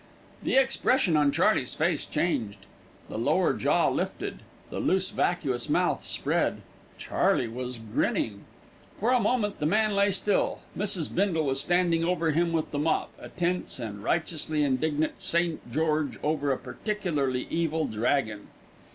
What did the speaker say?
The expression on Charley's face changed. The lower jaw lifted. The loose, vacuous mouth spread. Charley was grinning. For a moment the man lay still. Mrs. Bindle was standing over him with the mop, a tense and righteously indignant St. George over a particularly evil dragon.